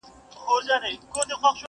درد له نسل څخه تېرېږي تل,